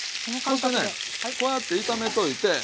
そしてねこうやって炒めといて。